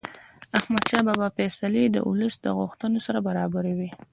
احمدشاه بابا فیصلې د ولس د غوښتنو سره برابرې وې.